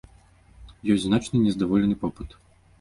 Ёсць значны нездаволены попыт.